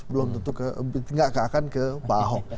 belum tentu ke tidak akan ke pak ahok